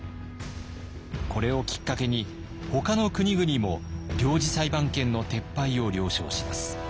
これをきっかけにほかの国々も領事裁判権の撤廃を了承します。